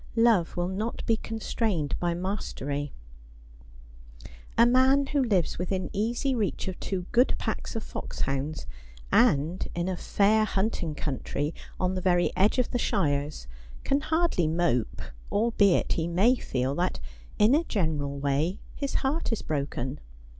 LOVE ^VOL NtiT BE CONSTREl.XED BY .MAISTRIE.' A MAN who lives within easy reach of two good packs of fox hounds, and in a fair hunting country on the very edge of the shires, can hardly mope, albeit he may feel that, in a general way, his heart is broken.